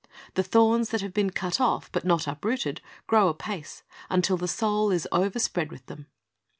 The thorns that have been cut off but not uprooted grow apace, until the soul is overspread with them.